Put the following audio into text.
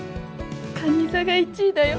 かに座が１位だよ。